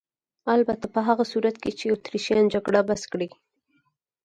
البته په هغه صورت کې چې اتریشیان جګړه بس کړي.